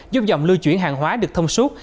giúp dòng lưu chuyển hàng hóa được thông suốt